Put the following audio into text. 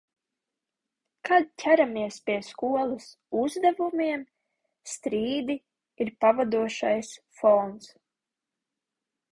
Kad ķeramies pie skolas uzdevumiem, strīdi ir pavadošais fons...